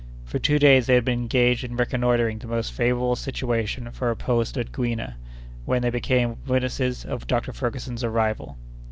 For two days they had been engaged in reconnoitring the most favorable situation for a post at Gouina, when they became witnesses of Dr. Ferguson's arrival.